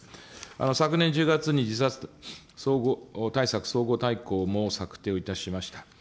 昨年１０月に自殺総合対策総合大綱も策定をいたしました。